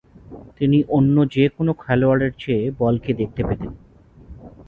তিনি অন্য যে-কোন খেলোয়াড়ের চেয়ে বলকে দেখতে পেতেন।